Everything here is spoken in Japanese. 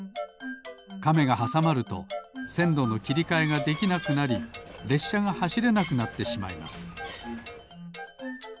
カメがはさまるとせんろのきりかえができなくなりれっしゃがはしれなくなってしまいます